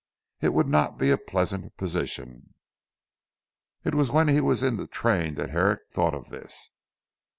It would not be a pleasant position. It was when he was in the train that Herrick thought of this.